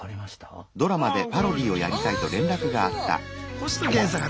星野源さんがね